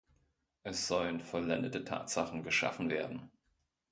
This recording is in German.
Es sollen vollendete Tatsachen geschaffen werden.